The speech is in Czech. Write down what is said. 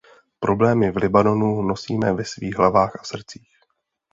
Problémy v Libanonu nosíme ve svých hlavách a srdcích.